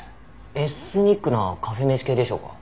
エスニックなカフェ飯系でしょうか？